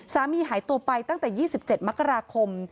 หายตัวไปตั้งแต่๒๗มกราคม